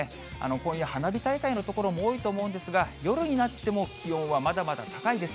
今夜、花火大会の所も多いと思うんですが、夜になっても気温はまだまだ高いです。